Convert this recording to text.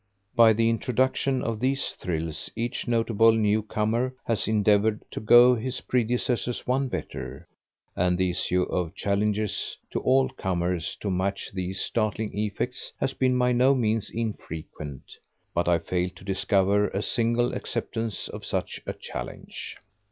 By the introduction of these thrills each notable newcomer has endeavored to go his predecessors one better, and the issue of challenges to all comers to match these startling effects has been by no means infrequent, but I fail to discover a single acceptance of such a challenge.